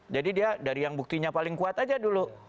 jadi dia dari yang buktinya paling kuat aja dulu